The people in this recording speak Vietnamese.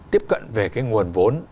tiếp cận về cái nguồn vốn